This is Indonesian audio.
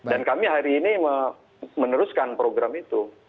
dan kami hari ini meneruskan program itu